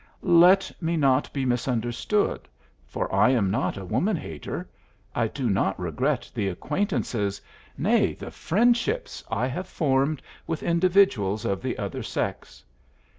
Let me not be misunderstood; for I am not a woman hater. I do not regret the acquaintances nay, the friendships I have formed with individuals of the other sex.